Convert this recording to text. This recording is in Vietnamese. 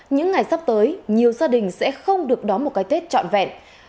những ngày sắp tới nhiều gia đình sẽ không được đón một cái tết trọn vẹn